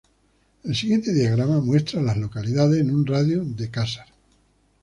El siguiente diagrama muestra a las localidades en un radio de de Casar.